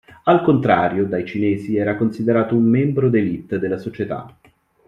Al contrario, dai cinesi era considerato un membro d'èlite della società.